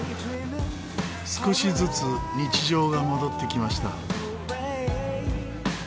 少しずつ日常が戻ってきました。